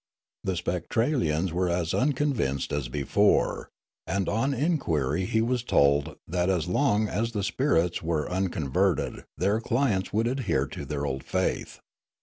The Spectralians were as unconvinced as before ; and on inquirj^ he was told that as long as the spirits were un converted their clients would adhere to their old faith.